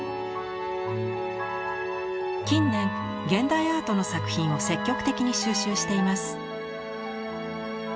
近年現代アートの作品を積極的に収集しています。